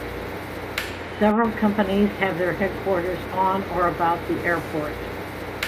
Several companies have their headquarters on or about the airport.